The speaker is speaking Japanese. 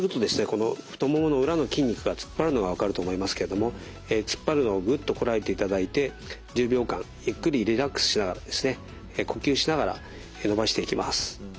この太ももの裏の筋肉が突っ張るのが分かると思いますけれども突っ張るのをぐっとこらえていただいて１０秒間ゆっくりリラックスしながらですね呼吸しながら伸ばしていきます。